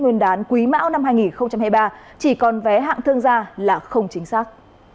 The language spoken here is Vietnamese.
nguyên đán quý mão năm hai nghìn hai mươi ba chỉ còn vé hạng thương gia là không chính xác